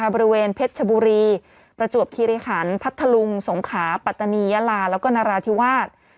บริเวณเพชรชบุรีประจวบคิริขันพัทธลุงสงขาปัตตานียาลาแล้วก็นราธิวาส